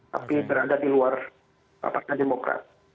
tapi berada di luar partai demokrat